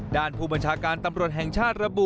ด้านผู้บัญชาการตำรวจแห่งชาติระบุ